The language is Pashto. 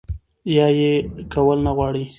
يا ئې کول نۀ غواړي